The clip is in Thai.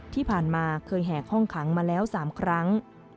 ที่ผ่านมาเคยแหกห้องขังมาแล้ว๓ครั้ง